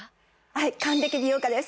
はい還暦美容家です